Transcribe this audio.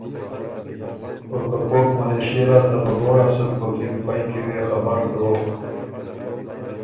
او که کوک ملېشئے لاسته بهګوړا سُک بُکِن فئ کی وې خبر دوک